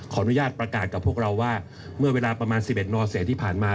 ขออนุญาตประกาศกับพวกเราว่าเมื่อเวลาประมาณ๑๑นเศษที่ผ่านมา